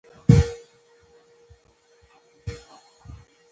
آیا شاهنامه د دوی ملي حماسه نه ده؟